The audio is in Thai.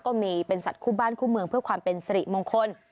ก็มีเป็นสัตว์คู่บ้านคู่เมืองเพื่อความเป็นสิริมงคล